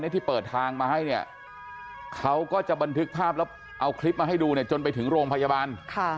ที่เปิดทางมาให้เนี่ยเขาก็จะบันทึกภาพแล้วเอาคลิปมาให้ดูเนี่ยจนไปถึงโรงพยาบาล